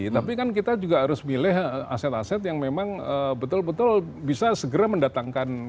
tapi kan kita juga harus milih aset aset yang memang betul betul bisa segera mendatangkan